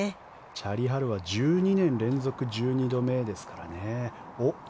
チャーリー・ハルは１２年連続１２度目ですからね。